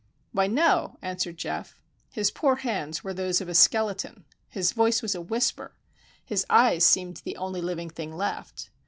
"Why, no," answered Geof. His poor hands were those of a skeleton; his voice was a whisper; his eyes seemed the only living thing left.